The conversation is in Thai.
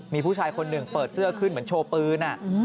มีผู้ชายคนหนึ่งเปิดเสื้อขึ้นเหมือนโชว์ปืน